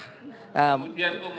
kemudian umur hilal